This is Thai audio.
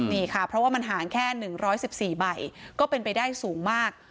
นี่ค่ะเพราะว่ามันห่างแค่๑๑๔ใบก็เป็นไปได้สูงมาก